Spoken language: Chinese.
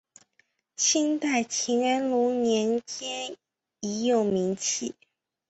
清代乾隆年间已有名气。